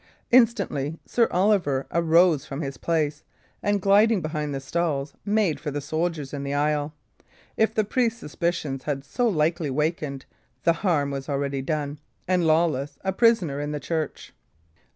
Instantly Sir Oliver arose from his place, and, gliding behind the stalls, made for the soldiers in the aisle. If the priest's suspicions had been so lightly wakened, the harm was already done, and Lawless a prisoner in the church.